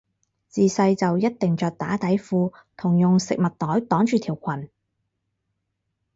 自細就一定着打底褲同用食物袋擋住條裙